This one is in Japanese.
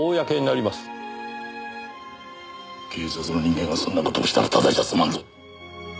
警察の人間がそんな事をしたらただじゃ済まんぞ。